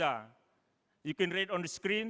anda bisa menonton di skrin